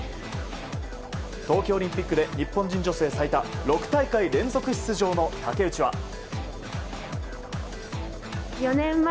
冬季オリンピックで日本人女性最多６大会連続出場の竹内は。